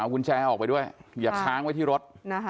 กุญแจออกไปด้วยอย่าค้างไว้ที่รถ